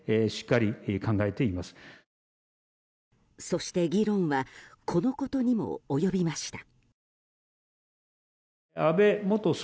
そして、議論はこのことにも及びました。